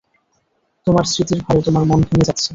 তোমার স্মৃতির ভারে তোমার মন ভেঙ্গে যাচ্ছে।